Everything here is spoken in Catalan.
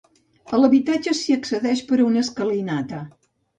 A l'habitatge s'hi accedeix per una escalinata.